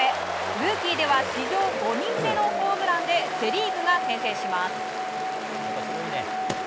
ルーキーでは史上５人目のホームランでセ・リーグが先制します。